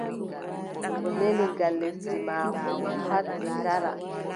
O neli ngal lesdi maako ɗo pat ɓe ngara.